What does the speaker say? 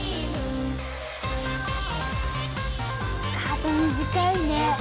スカート短いね。